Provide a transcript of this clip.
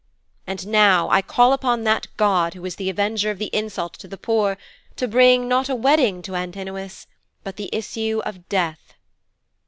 And now I call upon that god who is the avenger of the insult to the poor, to bring, not a wedding to Antinous, but the issue of death.'